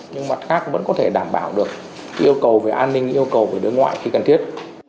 nhưng mặt khác vẫn có thể đảm bảo được yêu cầu về an ninh yêu cầu về đối ngoại khi cần thiết